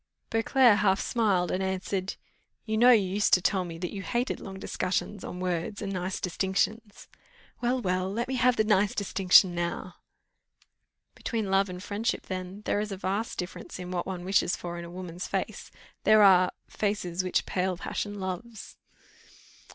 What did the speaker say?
Beauclerc half smiled and answered "You know you used to tell me that you hated long discussions on words and nice distinctions." "Well, well, but let me have the nice distinction now." "Between love and friendship, then, there is a vast difference in what one wishes for in a woman's face; there are, 'faces which pale passion loves.